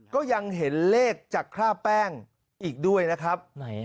ก็ยังเห็นเลขจากคราบแป้งอีกด้วยนะครับ